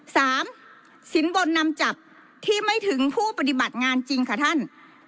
สามสินบนนำจับที่ไม่ถึงผู้ปฏิบัติงานจริงค่ะท่าน